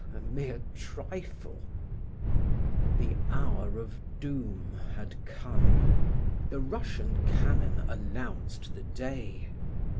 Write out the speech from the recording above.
"A mere trifle." The hour of doom had come. The Russian cannon announced the day.